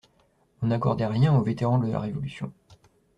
On n'accordait rien aux vétérans de la Révolution.